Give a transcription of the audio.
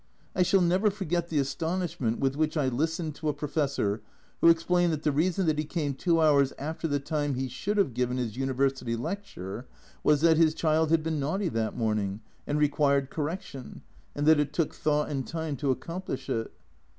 I shall never forget the astonishment with which I listened to a Professor who explained that the reason that he came two hours after the time he should have given his University lecture was that his child had been naughty that morning and required correction, and that it took thought and time to accomplish it.